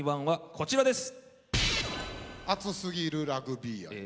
こちらです。